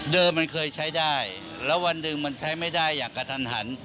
มันเคยใช้ได้แล้ววันหนึ่งมันใช้ไม่ได้อย่างกระทันหัน